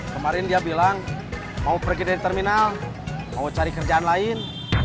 kemarin dia bilang mau pergi dari terminal mau cari kerjaan lain